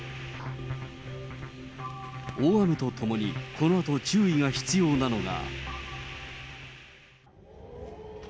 大雨とともに、このあと注意が必要なのが。